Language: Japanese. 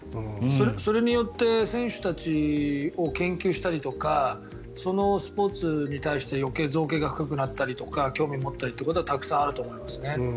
それによって選手たちを研究したりとかそのスポーツに対して余計、造詣が深くなったりとか興味を持ったりということはたくさんあると思いますね。